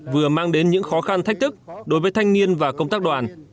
vừa mang đến những khó khăn thách thức đối với thanh niên và công tác đoàn